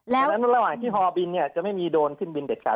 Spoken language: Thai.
แล้วระหว่างที่ฮอบินเนี่ยจะไม่มีโดนขึ้นบินเด็กขาด